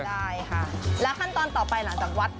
ได้ค่ะแล้วขั้นตอนต่อไปหลังจากวัด